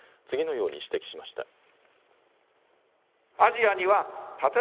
次のように指摘しました。